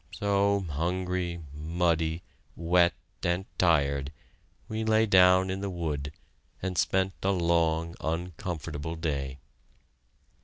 So, hungry, muddy, wet, and tired, we lay down in the wood, and spent a long, uncomfortable day!